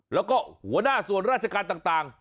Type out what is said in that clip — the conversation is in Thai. แล้วก็หัวหน้าส่วนราชการต่าง